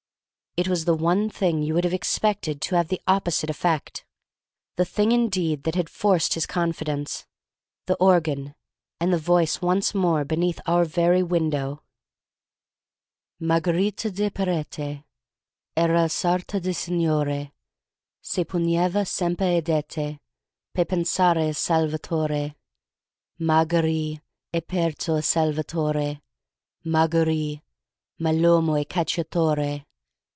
It was the one thing you would have expected to have the opposite effect, the thing indeed that had forced his confidence, the organ and the voice once more beneath our very windows: "Margarita de Parete, era a' sarta d' e' signore; se pugneva sempe e ddete pe penzare a Salvatore! "Mar—ga—rì, e perzo e Salvatore! Mar—ga—rì, Ma l'ommo è cacciatore!